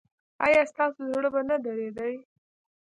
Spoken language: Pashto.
ایا ستاسو زړه به نه دریدي؟